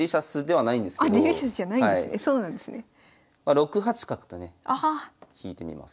６八角とね引いてみます。